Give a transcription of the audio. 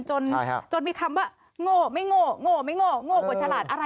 จนมีคำว่าโง่ไม่โง่โง่โก่ชะหาร